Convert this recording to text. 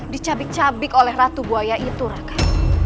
dicabik cabik oleh ratu buaya itu raka